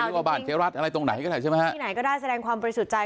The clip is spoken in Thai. ว่าบ้านเจ๊รัฐอะไรตรงไหนก็ได้ใช่ไหมฮะที่ไหนก็ได้แสดงความบริสุทธิ์ใจ